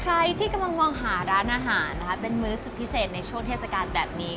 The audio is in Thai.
ใครที่กำลังมองหาร้านอาหารนะคะเป็นมื้อสุดพิเศษในช่วงเทศกาลแบบนี้